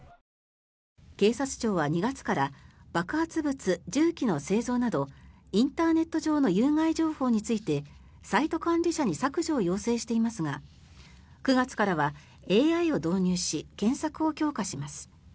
警察庁は２月から爆発物・銃器の製造などインターネット上の有害情報についてサイト管理者に削除を要請していますが９月からはＡＩを導入し検索を強化します。